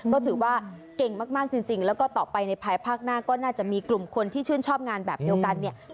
ก็ถือว่าเก่งมากจริงแล้วก็ต่อไปในภายภาคหน้าก็น่าจะมีกลุ่มคนที่ชื่นชอบงานแบบเดียวกันเนี่ย